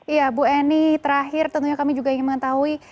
iya bu eni terakhir tentunya kami juga ingin mengetahui